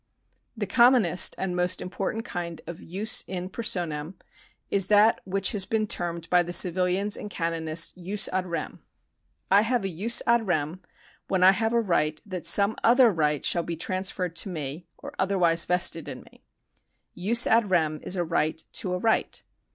The commonest and most important kind of jus in per sonam is that which has been termed by the civilians and canonists jus ad rem. I have a jus ad rem, when I have a right that some other right shall be transferred to me or other wise vested in me. Jwsat^ rem is a right to a right.